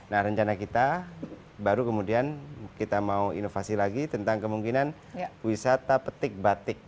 nah rencana kita baru kemudian kita mau inovasi lagi tentang kemungkinan wisata petik batik